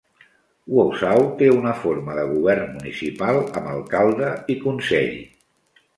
Wausau té una forma de govern municipal amb alcalde i consell.